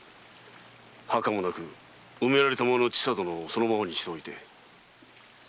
墓もなく埋められたままの千佐殿をそのままにしておいて。